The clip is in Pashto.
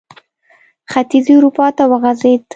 ختیځې اروپا ته وغځېد.